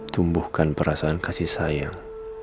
tumbuhkan perasaan kasih sayang